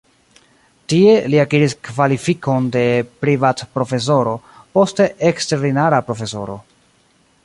Tie li akiris kvalifikon de privatprofesoro, poste eksterordinara profesoro.